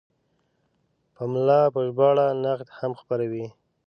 پملا په ژباړه نقد هم خپروي.